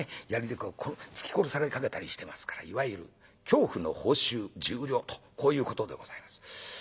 槍で突き殺されかけたりしてますからいわゆる恐怖の報酬１０両とこういうことでございます。